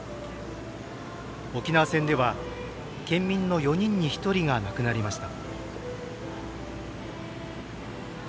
沖縄戦では県民の４人に１人が亡くなりました。